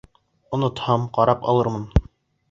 Онотһам, ҡарап алырмын.